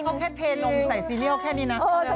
เขาแค่เทลงใส่ซีเรียสแค่นี้นะ